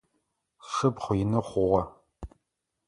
Сшыпхъу ины хъугъэ.